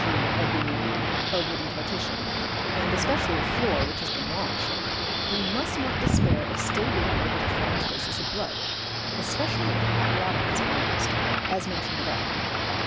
g., a beam, a wooden partition, and especially a floor, which has been washed, we must not despair of still being able to find traces of blood, especially if hot water has been used, as mentioned above.